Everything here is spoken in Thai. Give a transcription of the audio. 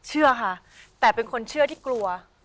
เชื่อค่ะแต่เป็นคนเชื่อที่กลัว